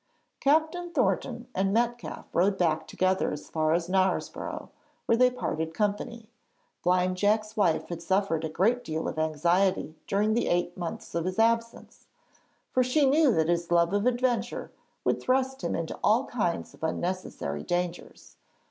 Captain Thornton and Metcalfe rode back together as far as Knaresborough, where they parted company. Blind Jack's wife had suffered a great deal of anxiety during the eight months of his absence, for she knew that his love of adventure would thrust him into all kinds of unnecessary dangers.